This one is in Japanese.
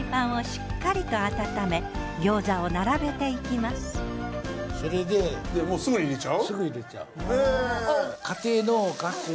まずはもうすぐ入れちゃう？